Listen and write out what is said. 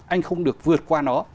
anh không được vượt qua nó